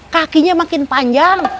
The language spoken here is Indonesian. kakinya makin panjang